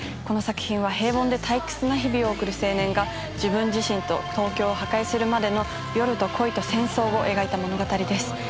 この作品は平凡で退屈な日々を送る青年が自分自身と東京を破壊するまでの夜と恋と戦争を描いた物語です。